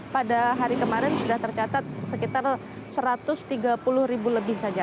pada hari kemarin sudah tercatat sekitar satu ratus tiga puluh ribu lebih saja